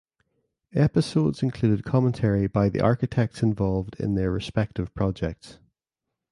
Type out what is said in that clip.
Episodes included commentary by the architects involved in their respective projects.